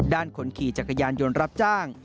คนขี่จักรยานยนต์รับจ้าง